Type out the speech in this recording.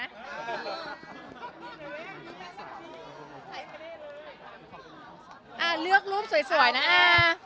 อ่าเลือกรูปสวยสวยนะอ่า